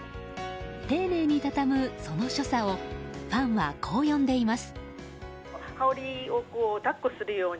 丁寧に畳む、その所作をファンはこう呼んでいます。